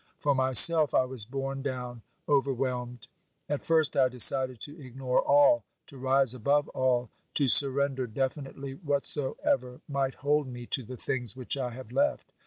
For myself I was borne down, overwhelmed. At first I decided to ignore all, to rise above all, to surrender definitely whatsoever might hold me to the things which I have left.